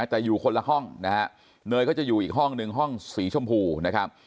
แต่อยู่คนละห้องนะฮะเนยก็จะอยู่อีกห้องหนึ่งห้องสีชมพูนะครับ